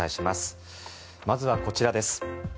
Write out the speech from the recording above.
まずはこちらです。